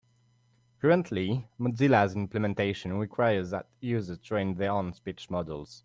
Currently, Mozilla's implementation requires that users train their own speech models.